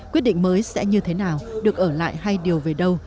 quyết định mới sẽ như thế nào được ở lại hay điều về đâu